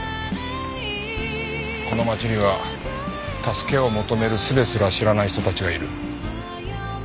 この街には助けを求める術すら知らない人たちがいる。